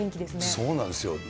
そうなんですよ。